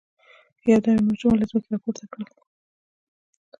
يودم يې ماشومه له ځمکې را پورته کړل.